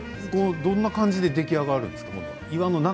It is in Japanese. どんな感じで出来上がるんですか？